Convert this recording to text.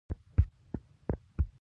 دوی د اوپک سازمان غړي دي.